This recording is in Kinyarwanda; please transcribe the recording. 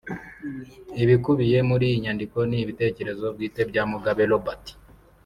Ibikubiye muri iyi nyandiko ni ibitekerezo bwite bya Mugabe Robert